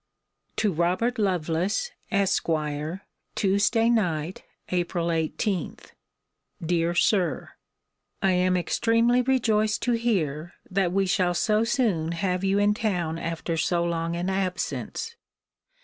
TO ROBERT LOVELACE, ESQ. TUESDAY NIGHT, APRIL 18. DEAR SIR, I am extremely rejoiced to hear, that we shall so soon have you in town after so long an absence.